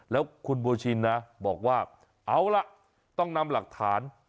แล้วคุณบัวชินนะบอกว่าเอาล่ะต้องนำหลักฐาน